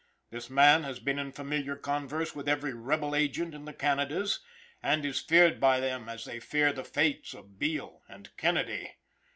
This man has been in familiar converse with every rebel agent in the Canadas, and is feared by them as they fear the fates of Beall and Kennedy.